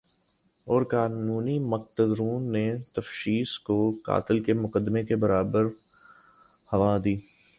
اور قانونی مقتدروں نے تفتیش کو قتل کے مقدمے کے برابر ہوا دی